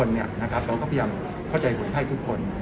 เราก็พยายามเข้าใจคนไข้ทุกคน